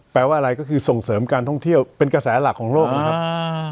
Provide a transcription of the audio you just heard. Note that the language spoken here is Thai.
แปลว่าอะไรก็คือส่งเสริมการท่องเที่ยวเป็นกระแสหลักของโลกนะครับ